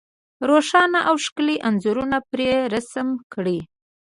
روښانه او ښکلي انځورونه پرې رسم کړي.